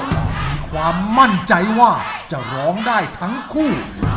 เรามีความมั่นใจว่าจะร้องได้ทั้งคู่